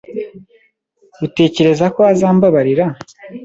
Utekereza ko azambabarira?